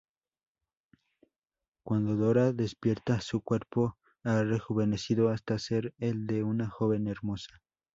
Cuando Dora despierta, su cuerpo ha rejuvenecido hasta ser el de una joven hermosa.